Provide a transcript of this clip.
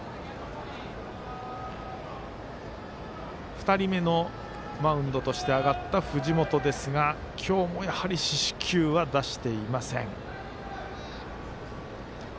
２人目のマウンドとして上がった藤本ですが今日もやはり四死球は出していません。